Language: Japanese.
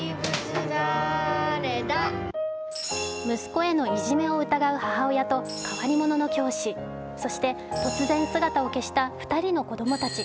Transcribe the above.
息子へのいじめを疑う母親と、変わり者の教師そして突然姿を消した２人の子供たち。